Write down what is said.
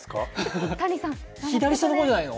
左下の方じゃないの？